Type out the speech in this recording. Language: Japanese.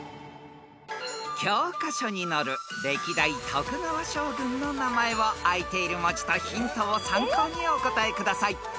［教科書に載る歴代徳川将軍の名前をあいている文字とヒントを参考にお答えください］